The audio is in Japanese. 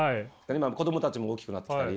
子供たちも大きくなってきたり。